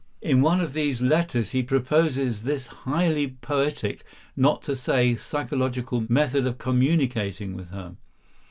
In one of these letters he proposes this highly poetic, not to say psychological, method of communicating with her.